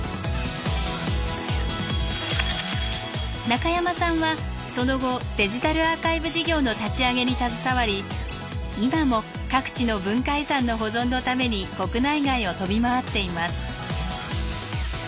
中山さんはその後デジタルアーカイブ事業の立ち上げに携わり今も各地の文化遺産の保存のために国内外を飛び回っています。